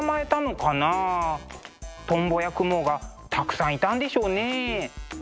トンボやクモがたくさんいたんでしょうねえ。